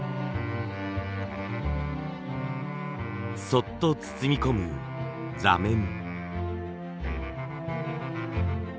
そっと包み込む座面。